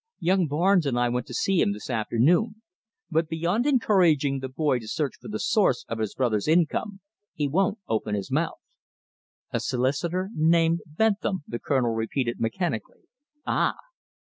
Young Barnes and I went to see him this afternoon, but beyond encouraging the boy to search for the source of his brother's income, he wouldn't open his mouth." "A solicitor named Bentham," the Colonel repeated mechanically. "Ah!"